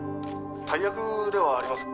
大役ではあります。